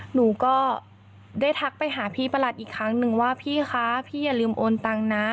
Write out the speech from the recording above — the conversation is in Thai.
หนูก็ได้ทักไปหาพี่ประหลัดอีกครั้งหนึ่งว่าพี่คะพี่อย่าลืมโอนตังค์นะ